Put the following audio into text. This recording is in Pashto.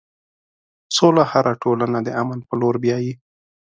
سوله هره ټولنه د امن په لور بیایي.